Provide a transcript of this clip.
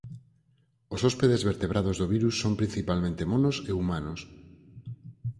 Os hóspedes vertebrados do virus son principalmente monos e humanos.